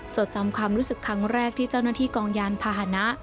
จดจำความรู้สึกครั้งแรกที่เจ้าหน้าที่กองยานพาหนะ